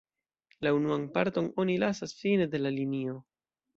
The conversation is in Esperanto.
La unuan parton oni lasas fine de la linio.